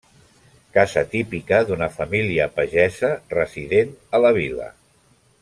Casa típica d'una família pagesa resident a la vila.